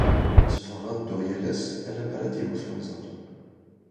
Tteffɣeɣ ad dduɣ yal ass, ala mi ara d-iwet unẓar.